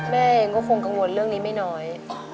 แม่เองก็คงกังวลเรื่องนี้ไม่น้อย